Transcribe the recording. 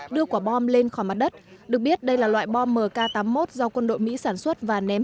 đưa quả bom lên khỏi mặt đất được biết đây là loại bom mk tám mươi một do quân đội mỹ sản xuất và ném